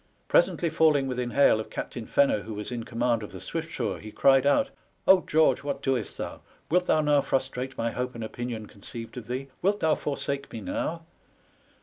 Presently falling within hail of Captain Fenner, who was in command of the Siviftsure, he cried out, " Oh, George, what doest thou ? Wilt thou now frustrate my hope and opinion conceived of thee? Wilt thou forsake me now?"